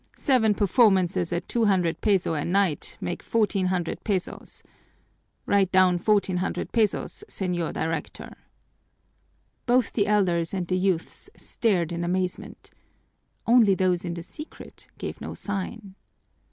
Seven performances at two hundred pesos a night make fourteen hundred pesos. Write down fourteen hundred pesos, Señor Director!" Both the elders and the youths stared in amazement. Only those in the secret gave no sign.